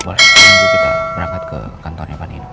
boleh nanti kita berangkat ke kantornya pak nino